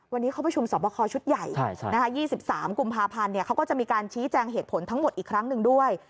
วันนี้เขาประชุมสอบคอชุดใหญ่๒๓กุมภาพันธ์เขาก็จะมีการชี้แจงเหตุผลทั้งหมดอีกครั้งหนึ่งด้วย